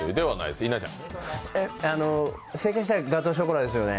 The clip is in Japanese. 正解したらガトーショコラですよね。